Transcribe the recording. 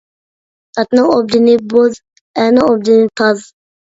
ئاتنىڭ ئوبدىنى بوز، ئەرنىڭ ئوبدىنى تاز.